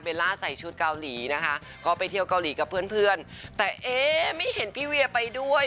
ล่าใส่ชุดเกาหลีนะคะก็ไปเที่ยวเกาหลีกับเพื่อนเพื่อนแต่เอ๊ไม่เห็นพี่เวียไปด้วย